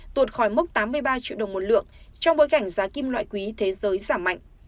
tuột khỏi mốc tám mươi ba triệu đồng một lượng trong bối cảnh giá kim loại quý thế giới giảm mạnh